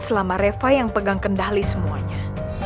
selama reva yang pegang kendali semuanya